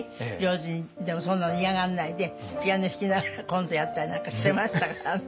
でもそんなの嫌がんないでピアノ弾きながらコントやったりなんかしてましたからね。